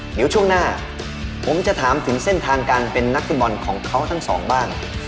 เดี๋ยวช่วงหน้าผมจะถามถึงเส้นทางการเป็นนักฟุตบอลของเขาทั้งสองบ้าง